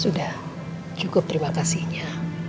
sudah cukup terima kasihnya